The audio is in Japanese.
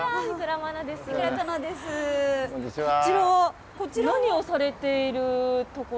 こちらは何をされているところ。